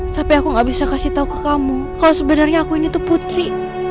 tapi aku gak bisa kasih tahu ke kamu kalau sebenarnya aku ini tuh putri